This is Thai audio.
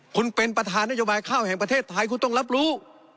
คุณเป็นประธานนโยบายข้าวแห่งประเทศไทยคุณต้องรับรู้